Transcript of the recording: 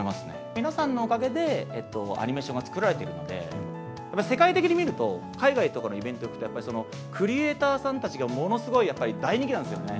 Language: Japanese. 皆さんのおかげで、アニメーションが作られているので、やっぱ世界的に見ると、海外とかのイベント行くと、やっぱりそのクリエーターさんたちがものすごいやっぱり大人気なんですよね。